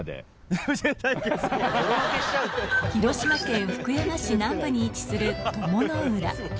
広島県福山市南部に位置する鞆の浦